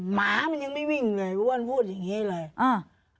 หมามันยังไม่วิ่งเลยอ้วนพูดอย่างงี้เลยอ่า